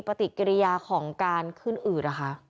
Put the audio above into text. ปฏิกิริยาของการขึ้นอืดนะคะ